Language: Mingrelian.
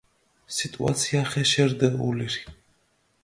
სიტუაცია ხეშე რდჷ ულირი.